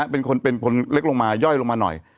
เป็นคนเล็กลงมาย่อยลงมาหน่อย